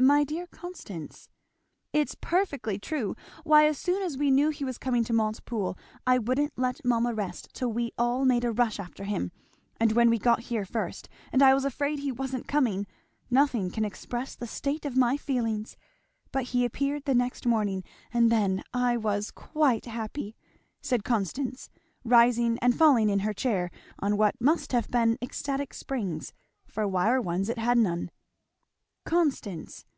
"My dear Constance! " "It's perfectly true! Why as soon as we knew he was coming to Montepoole I wouldn't let mamma rest till we all made a rush after him and when we got here first and I was afraid he wasn't coming, nothing can express the state of my feelings! But he appeared the next morning, and then I was quite happy," said Constance, rising and falling in her chair on what must have been ecstatic springs, for wire ones it had none. "Constance!